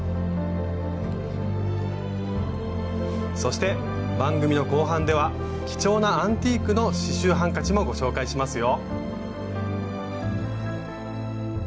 そして番組の後半では貴重なアンティークの刺しゅうハンカチもご紹介しますよ。